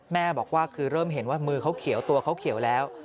แม่บอกว่าคือเริ่มเห็นว่ามือเขาเขียวตัวเขาเขียวแล้ว